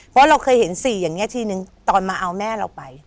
เพราะเราเคยเห็น๔อย่างนี้ทีนึงตอนมาเอาแม่เราไป